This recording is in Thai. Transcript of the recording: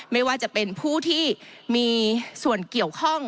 ไม่ว่าจะเป็นผู้ที่มีส่วนเกี่ยวข้อง